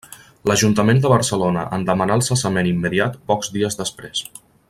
L'Ajuntament de Barcelona en demanà el cessament immediat pocs dies després.